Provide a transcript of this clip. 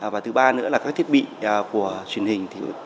và thứ ba nữa là các thiết bị của truyền hình